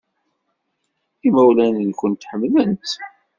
Imawlan-nwent ḥemmlen-tt.